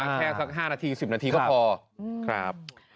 แค่สัก๕นาที๑๐นาทีก็พอครับ